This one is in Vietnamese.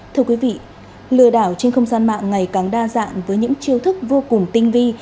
thưa quý vị lừa đảo trên không gian mạng ngày càng đa dạng với những chiêu thức vô cùng tinh vi